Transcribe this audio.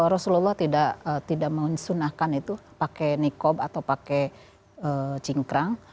rasulullah tidak mengunsunahkan itu pakai nikab atau pakai cingkrang